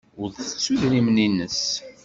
Ur tettu idrimen-nnes.